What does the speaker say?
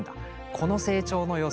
この成長の様子